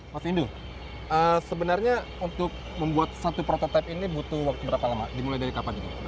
mas hindu sebenarnya untuk membuat satu prototipe ini butuh waktu berapa lama dimulai dari kapan ini